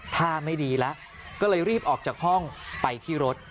ท่าไม่ดีแล้วก็เลยรีบออกจากห้องไปที่รถ